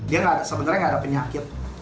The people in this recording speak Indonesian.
dia sebenarnya nggak ada penyakit